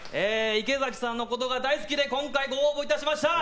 池崎さんのことが大好きで今回、ご応募いたしました。